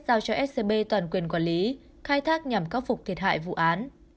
giao cho scb toàn quyền quản lý khai thác nhằm khắc phục thiệt hại vụ án